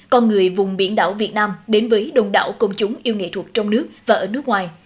con người vùng biển đảo việt nam đến với đồng đảo công chúng yêu nghệ thuật trong nước và ở nước ngoài